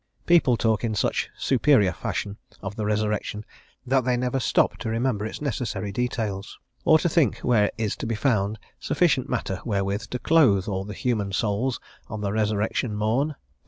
People talk in such superior fashion of the resurrection that they never stoop to remember its necessary details, or to think where is to be found sufficient matter wherewith to clothe all the human souls on the resurrection morn.